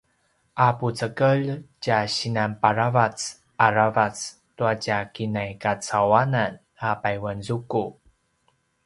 a pucekelj tja sinan paravac aravac tua tja kinai kacauwanan a payuanzuku